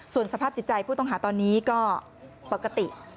ส่วนสภาพจิตใจผู้ต้องหาตอนนี้ก็ปกติ